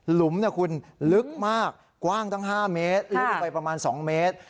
หุมคุณลึกมากกว้างตั้ง๕เมตรลึกลงไปประมาณ๒เมตร